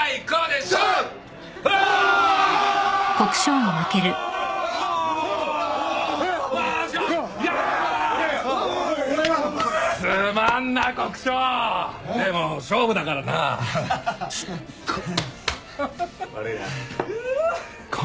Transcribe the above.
でも勝負だからな。か。